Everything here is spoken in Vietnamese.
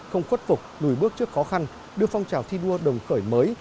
không khuất phục lùi bước trước khó khăn đưa phong trào thi đua đồng khởi mới